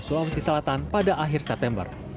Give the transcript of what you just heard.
sulawesi selatan pada akhir september